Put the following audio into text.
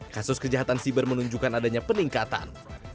kasus kejahatan siber menunjukkan adanya peningkatan